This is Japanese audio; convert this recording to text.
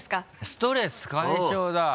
ストレス解消だ。